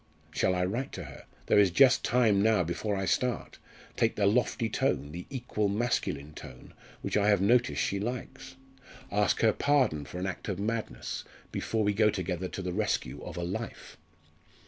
Shall I write to her there is just time now, before I start take the lofty tone, the equal masculine tone, which I have noticed she likes? ask her pardon for an act of madness before we go together to the rescue of a life?